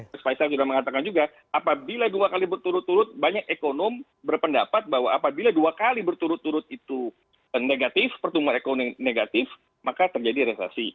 mas faisal sudah mengatakan juga apabila dua kali berturut turut banyak ekonom berpendapat bahwa apabila dua kali berturut turut itu negatif pertumbuhan ekonomi negatif maka terjadi resesi